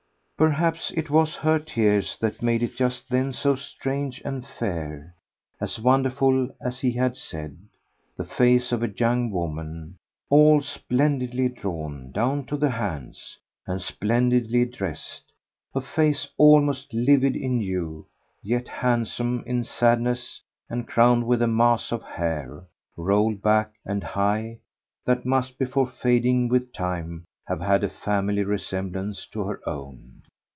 Perhaps it was her tears that made it just then so strange and fair as wonderful as he had said: the face of a young woman, all splendidly drawn, down to the hands, and splendidly dressed; a face almost livid in hue, yet handsome in sadness and crowned with a mass of hair, rolled back and high, that must, before fading with time, have had a family resemblance to her own.